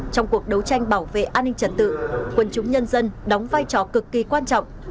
trong cuộc đấu tranh bảo vệ an ninh trật tự quân chúng nhân dân đóng vai trò cực kỳ quan trọng